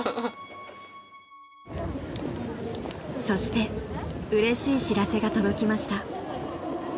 ［そしてうれしい知らせが届きました］